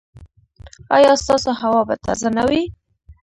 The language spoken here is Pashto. ایا ستاسو هوا به تازه نه وي؟